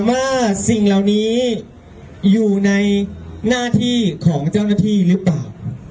ว่าสิ่งเหล่านี้อยู่ในหน้าที่ของเจ้าหน้าที่หรือเปล่า